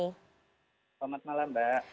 selamat malam mbak